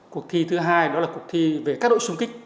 cuộc thi thứ hai đó là cuộc thi về các đội xung kích